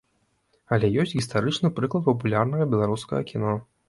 Але ёсць гістарычны прыклад папулярнага беларускага кіно.